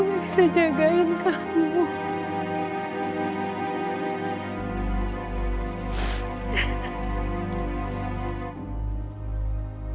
tapi ibu udah relain lo oli